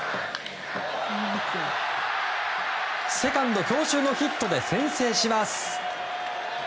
セカンド強襲のヒットで先制します。